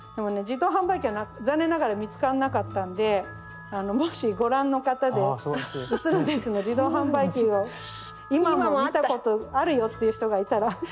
自動販売機は残念ながら見つかんなかったんでもしご覧の方で「写ルンです」の自動販売機を今も見たことあるよっていう人がいたら。